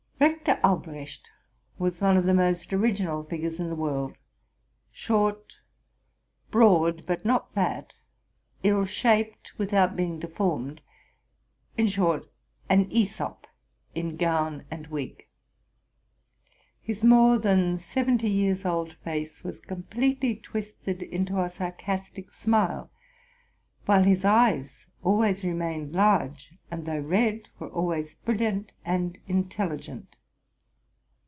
Rector Albrecht was one of the most original figures in the world,—short, broad, but not fat, ill shaped without being deformed ; in short, an Zsop in gown and wig. His more than seventy years old face was completely twisted into a sareastic smile ; while his eyes always remained large, and, though red, were always brilliant and intelligent.